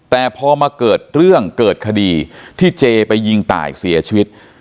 แต่พอมาเกิดเรื่องเกิดคดีที่เจไปยิงตายเสียชีวิต